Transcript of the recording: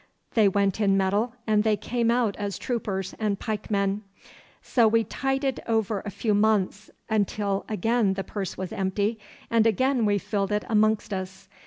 They went in metal and they came out as troopers and pikemen. So we tided over a few months until again the purse was empty, and again we filled it amongst us.